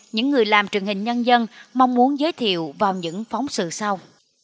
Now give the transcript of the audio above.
những người làm truyền hình nhân dân mong muốn giới thiệu vào những phóng sự sau